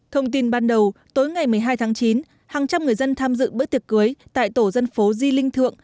thông tin ban đầu tối ngày một mươi hai tháng chín hàng trăm người dân tham dự bữa tiệc cưới tại tổ dân phố di linh thượng